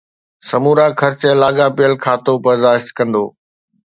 سمورا خرچ لاڳاپيل کاتو برداشت ڪندو